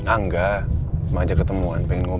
angga mau ajak ketemuan pengen ngobrol